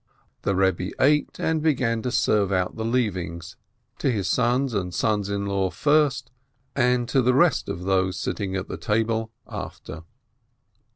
The Rebbe ate, and began to serve out the leavings, to his sons and sons in law first, and to the rest of those sitting at the table after.